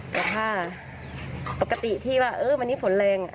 แต่ถ้าปกติที่ว่าวันนี้ฝนแรง